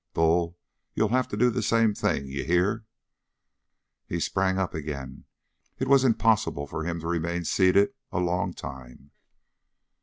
Bull, you'll have to do the same thing. You hear?" He sprang up again. It was impossible for him to remain seated a long time.